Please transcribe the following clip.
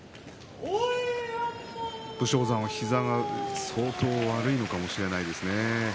武将山は膝が相当悪いのかもしれませんね。